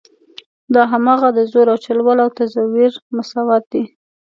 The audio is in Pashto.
دا هماغه د زور او چل ول او تزویر مساوات دي.